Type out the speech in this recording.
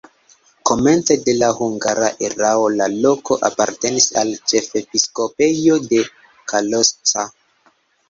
Komence de la hungara erao la loko apartenis al ĉefepiskopejo de Kalocsa.